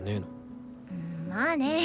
まあね。